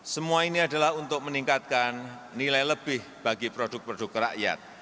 semua ini adalah untuk meningkatkan nilai lebih bagi produk produk rakyat